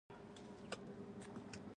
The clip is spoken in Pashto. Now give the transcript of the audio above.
په غاړه یې څړيکه شوه.